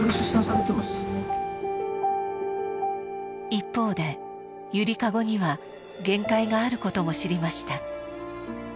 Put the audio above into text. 一方で「ゆりかご」には限界があることも知りました。